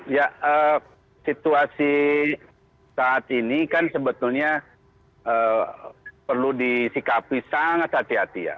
ya situasi saat ini kan sebetulnya perlu disikapi sangat hati hati ya